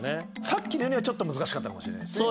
さっきのよりはちょっと難しかったかもしれないですね。